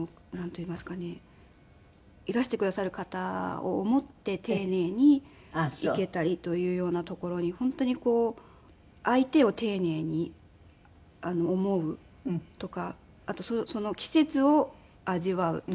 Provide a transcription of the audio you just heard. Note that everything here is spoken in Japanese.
いらしてくださる方を思って丁寧に生けたりというようなところに本当に相手を丁寧に思うとかあとその季節を味わうという。